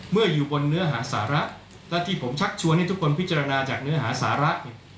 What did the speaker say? อยู่บนเนื้อหาสาระและที่ผมชักชวนให้ทุกคนพิจารณาจากเนื้อหาสาระ